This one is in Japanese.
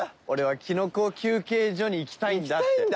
「俺はキノコ休憩所に行きたいんだ」って。